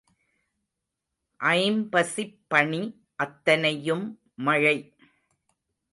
ஐம்பசிப் பணி அத்தனையும் மழை.